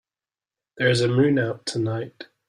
There's a moon out tonight.